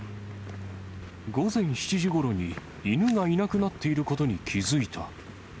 午前７時ごろに、犬がいなくなっていることに気付いた。